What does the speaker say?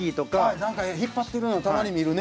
なんか引っ張ってるのたまに見るね。